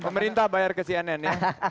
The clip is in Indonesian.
pemerintah bayar kesianan ya